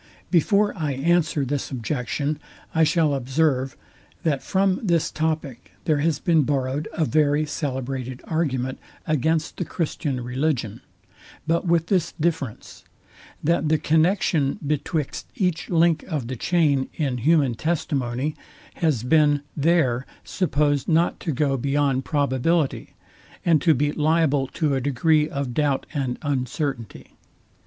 Before I answer this objection I shall observe, that from this topic there has been borrowed a very celebrated argument against the Christian Religion; but with this difference, that the connexion betwixt each link of the chain in human testimony has been there supposed not to go beyond probability, and to be liable to a degree of doubt and uncertainty.